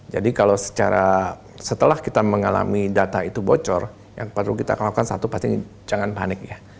jadi kalau setelah kita mengalami data itu bocor yang pertama kita akan lakukan satu pasti jangan panik ya